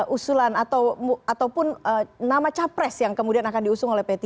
usulan ataupun nama capres yang kemudian akan diusung oleh p tiga